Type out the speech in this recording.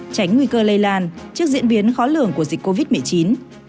tránh nguy cơ lây lan trước diễn biến khó lường của tình hình